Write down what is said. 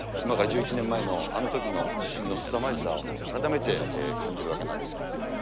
今から１１年前のあのときの地震のすさまじさを改めて感じるわけなんです。